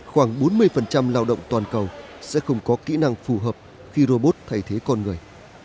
khoảng bốn mươi lao động toàn cầu sẽ không có kỹ năng phù hợp khi robot thay thế con người